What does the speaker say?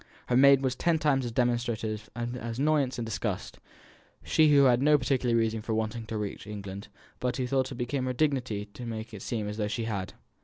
Her maid was ten times as demonstrative of annoyance and disgust; she who had no particular reason for wanting to reach England, but who thought it became her dignity to make it seem as though she had.